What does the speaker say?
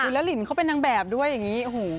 แล้วลินเขาเป็นนางแบบด้วยอย่างนี้โอ้โห